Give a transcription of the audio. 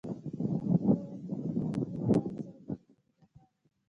ده راته وویل چې د انګریزي هیات سره د کتلو لپاره.